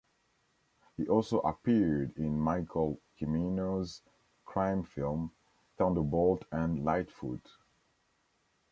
He also appeared in Michael Cimino's crime film "Thunderbolt and Lightfoot".